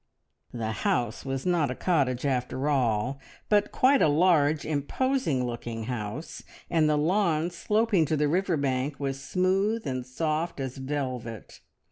The house was not a cottage after all, but quite a large, imposing looking house, and the lawn sloping to the river bank was smooth and soft as velvet.